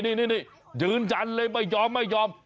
นี่ยืนยันเลยไม่ยอมไม่ยอม